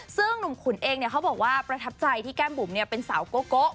ซึ่งหนุ่มขุนเองเขาบอกว่าประทับใจที่แก้มบุ๋มเป็นสาวโกะ